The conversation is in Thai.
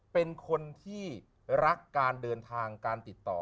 เป็นคนที่รักการเดินทางการติดต่อ